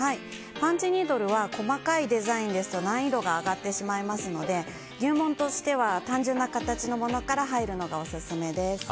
パンチニードルは細かいデザインですと難易度が上がってしまいますので入門としては単純な形のものから入るのがオススメです。